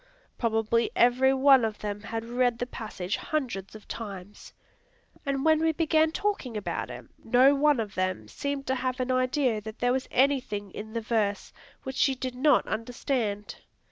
Probably every one of them had read the passage hundreds of times; and when we began talking about it, no one of them seemed to have an idea that there was anything in the verse which she did not understand.